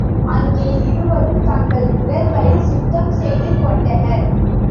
அங்கே இருவரும் தங்கள் உடல்களைச் சுத்தம் செய்துகொண்டனர்.